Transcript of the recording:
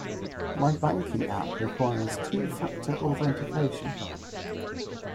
My banking app requires two factor authentication.